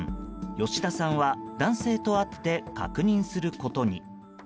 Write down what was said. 吉田さんは、男性と会って確認することに。